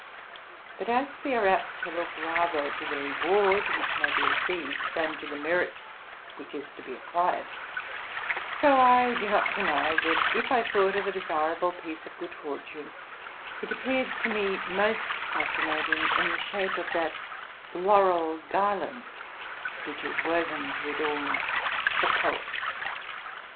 But as we are apt to look rather to the re ward which may be received than to the merit which is to be acquired ; so, I do not deny, that if I thought of a de sirable piece of good fortune, it appeared to me most fasci nating in the shape of that laurel garland which is woven to adorn the poet.